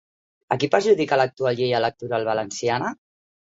A qui perjudica l'actual llei electoral valenciana?